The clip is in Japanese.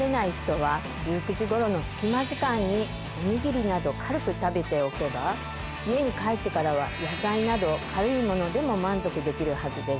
１９時頃の隙間時間におにぎりなど軽く食べておけば家に帰ってからは野菜など軽いものでも満足できるはずです。